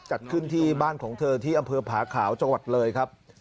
จัดขึ้นที่บ้านของเธอที่อำเภอผาขาวจังหวัดเลยครับ